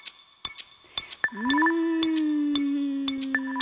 うん。